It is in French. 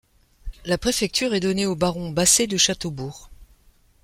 La préfecture est donnée au baron Basset de Châteaubourg.